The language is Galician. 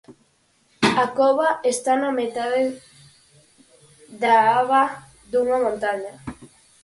A cova está na metade da aba dunha montaña.